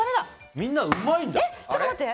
みんなうまいんだね。